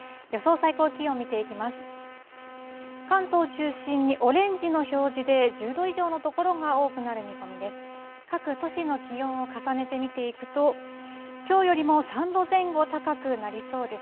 最高気温見ていきます。